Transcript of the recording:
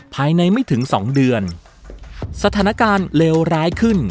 ไม่ถึงสองเดือนสถานการณ์เลวร้ายขึ้น